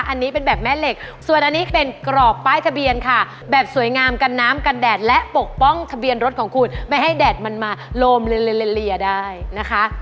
อันนี้เป็นแบบแม่เหล็กส่วนอันนี้เป็นกรอบป้ายทะเบียนค่ะแบบสวยงามกันน้ำกันแดดและปกป้องทะเบียนรถของคุณไม่ให้แดดมันมาโลมเลเลียได้นะคะ